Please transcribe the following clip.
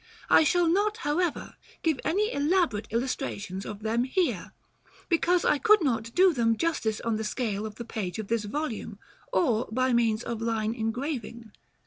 I shall not, however, give any elaborate illustrations of them here, because I could not do them justice on the scale of the page of this volume, or by means of line engraving.